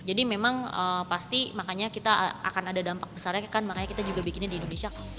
jadi memang pasti makanya kita akan ada dampak besarnya kan makanya kita juga bikinnya di indonesia